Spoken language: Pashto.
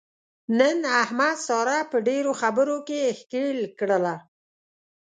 نن احمد ساره په ډېرو خبرو کې ښکېل کړله.